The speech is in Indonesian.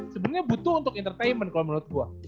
sebenarnya butuh untuk entertainment kalau menurut gua